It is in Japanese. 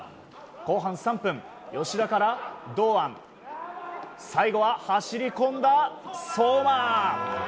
後半３分、吉田から堂安最後は走り込んだ相馬。